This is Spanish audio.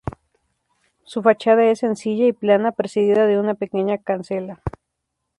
Su fachada es sencilla y plana, precedida de una pequeña cancela.